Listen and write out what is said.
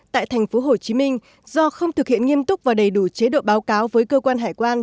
tại tp hcm do không thực hiện nghiêm túc và đầy đủ chế độ báo cáo với cơ quan hải quan